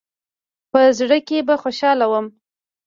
او په زړه کښې به خوشاله وم.